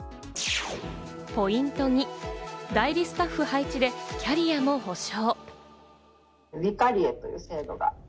ポイント２、代理スタッフ配置でキャリアも保障。